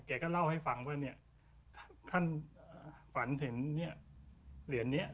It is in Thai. แก่ก็เล่าให้ฟังว่าท่านฝันเห็นเหรียญนี้